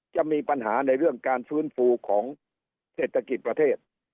จะมีปัญหาในเรื่องการฟื้นฟูของเศรษฐกิจประเทศ